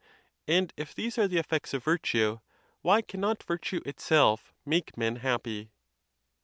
And if these are the effects of virtue, why cannot virtue itself make men happy?